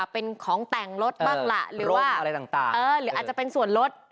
เป็นของแต่งรถบ้างล่ะหรืออาจจะเป็นส่วนรถ